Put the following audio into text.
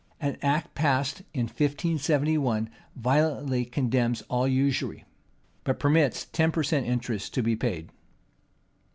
An act passed in 1571 violently condemns all usury; but permits ten per cent, interest to be paid.